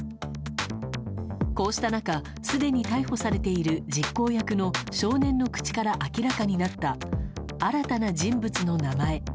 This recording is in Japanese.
こうした中すでに逮捕されている実行役の少年の口から明らかになった新たな人物の名前。